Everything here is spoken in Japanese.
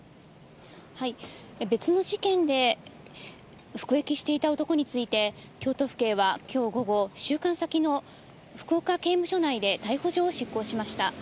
別の事件で服役していた男について、京都府警はきょう午後、収監先の福岡刑務所内で逮捕状を執行しました。